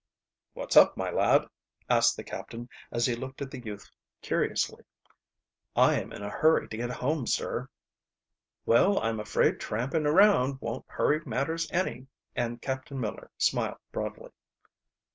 "What's up, my lad?" asked the captain, as he looked at the youth curiously. "I am in a hurry to get home, sir." "Well, I'm afraid tramping around won't hurry matters any," and Captain Miller smiled broadly.